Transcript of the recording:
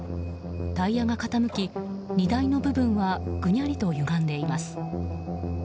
タイヤが傾き、荷台の部分はぐにゃりとゆがんでいます。